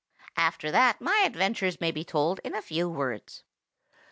'" "After that my adventures may be told in a few words.